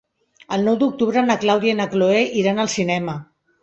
El nou d'octubre na Clàudia i na Cloè iran al cinema.